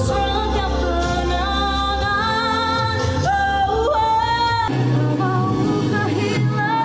tapi lelah berjuang